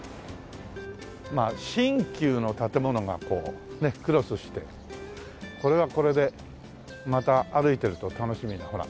まあ新旧の建物がこうねクロスしてこれはこれでまた歩いてると楽しみなほら。